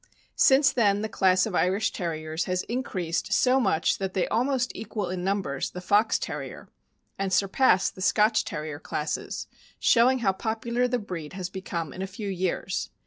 Since then the class of Irish Terriers has increased so much that they almost equal in numbers the Fox Terrier and surpass the Scotch Terrier classes, showing how popu lar the breed has become in a few years.